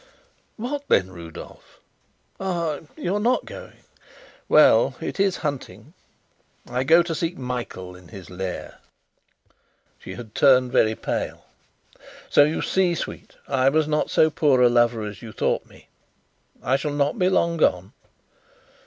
"What then, Rudolf? Ah! you're not going ?" "Well, it is hunting. I go to seek Michael in his lair." She had turned very pale. "So, you see, sweet, I was not so poor a lover as you thought me. I shall not be long gone."